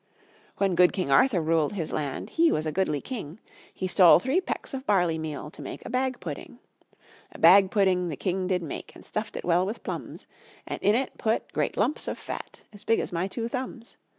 When good King Arthur ruled his land He was a goodly king; He stole three pecks of barley meal To make a bag pudding. A bag pudding the king did make, And stuffed it well with plums, And in it put great lumps of fat As big as my two thumbs.